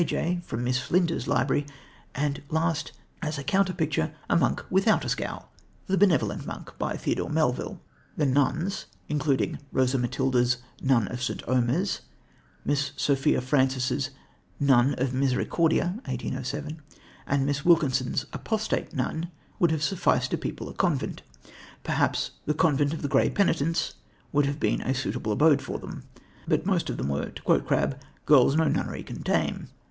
J." from Miss Flinders' library; and lastly, as a counter picture, a monk without a scowl, The Benevolent Monk, by Theodore Melville (1807). The nuns, including "Rosa Matilda's" Nun of St. Omer's, Miss Sophia Francis's Nun of Misericordia (1807) and Miss Wilkinson's Apostate Nun, would have sufficed to people a convent. Perhaps The Convent of the Grey Penitents would have been a suitable abode for them; but most of them were, to quote Crabbe, "girls no nunnery can tame."